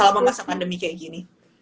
selama masa pandemi kayak gini